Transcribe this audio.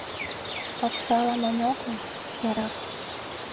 Оксала монь огыл, ярак.